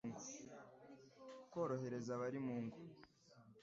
korohereza abari mu ngo,